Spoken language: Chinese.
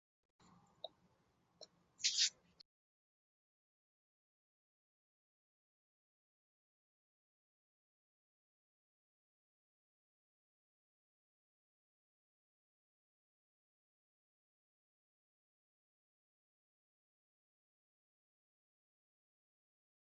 现在泰尼斯基花园作为克里姆林宫的一部分被列入世界文化遗产。